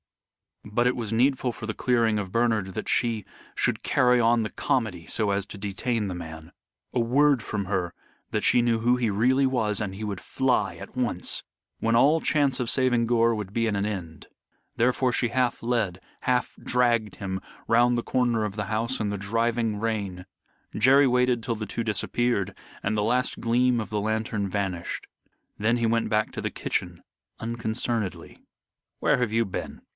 But it was needful for the clearing of Bernard that she should carry on the comedy so as to detain the man. A word from her, that she knew who he really was, and he would fly at once when all chance of saving Gore would be at an end. Therefore she half led, half dragged him round the corner of the house in the driving rain. Jerry waited till the two disappeared and the last gleam of the lantern vanished. Then he went back to the kitchen unconcernedly. "Where have you been?"